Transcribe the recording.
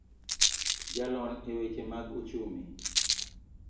Jalony eweche mag ochumi